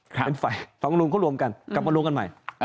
เป็นฝ่ายสองลุงเขารวมกันกลับมารวมกันใหม่